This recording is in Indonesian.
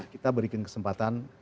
kita berikan kesempatan